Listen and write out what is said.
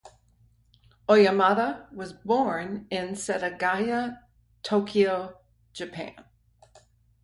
Oyamada was born in Setagaya, Tokyo, Japan.